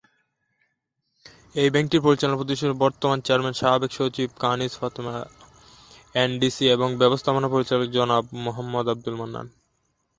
ব্যাংকটির পরিচালনা পর্ষদের বর্তমান চেয়ারম্যান সাবেক সচিব কানিজ ফাতেমা, এনডিসি এবং ব্যবস্থাপনা পরিচালক জনাব মোহাম্মদ আব্দুল মান্নান।